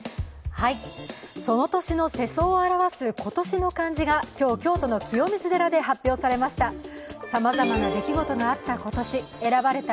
その年の世相を表す今年の漢字が今日京都の清水寺で発表されました。